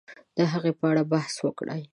د هغې په اړه بحث وکړي